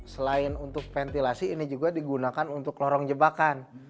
selain untuk ventilasi ini juga digunakan untuk lorong jebakan